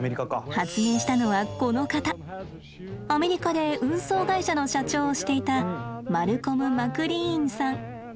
発明したのはこの方アメリカで運送会社の社長をしていたマルコム・マクリーンさん。